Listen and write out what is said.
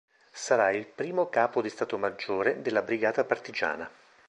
Sarà il primo Capo di Stato Maggiore della Brigata partigiana.